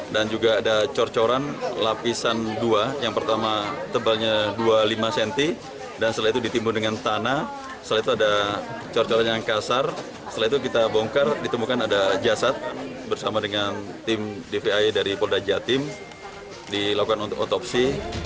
dan juga ada cor coran lapisan dua yang pertama tebalnya dua puluh lima cm dan setelah itu ditimbul dengan tanah setelah itu ada cor coran yang kasar setelah itu kita bongkar ditemukan ada jasad bersama dengan tim dti dari polda jawa timur dilakukan untuk otopsi